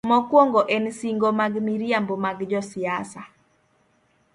Mokwongo en singo mag miriambo mag josiasa.